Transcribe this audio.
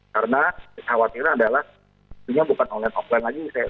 karena yang saya khawatirkan adalah ini bukan online offline saja